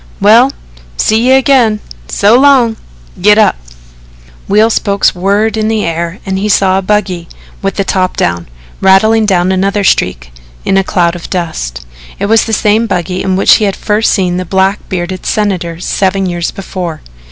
"Well, see you again. So long. Git up!" Wheel spokes whirred in the air and he saw a buggy, with the top down, rattling down another street in a cloud of dust. It was the same buggy in which he had first seen the black bearded Senator seven years before.